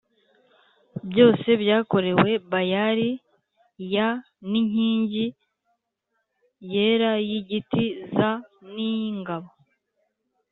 byose byakorewe Bayali y n inkingi yera y igiti z n ingabo